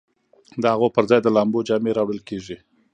د هغو پر ځای د لامبو جامې راوړل کیږي